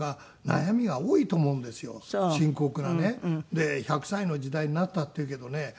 で１００歳の時代になったっていうけどね